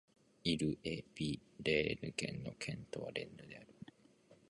イル＝エ＝ヴィレーヌ県の県都はレンヌである